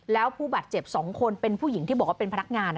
แล้วผู้บาดเจ็บ๒คนเป็นผู้หญิงที่บอกว่าเป็นพนักงาน